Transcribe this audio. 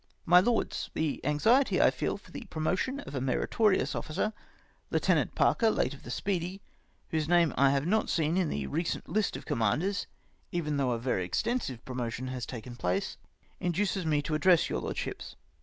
My Loeds, — The anxiety I feel for the promotion of a meritorious officer, Lieutenant Parker, late of the Speedy, whose name I have not seen in the recent list of commanders, even though a very extensive promotion has taken place, induces me to address your Lordships.